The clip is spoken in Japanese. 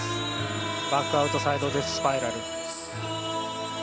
バックアウトサイドデススパイラル。